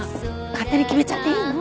勝手に決めちゃっていいの？